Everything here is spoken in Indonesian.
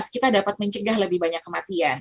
kita dapat mencegah lebih banyak kematian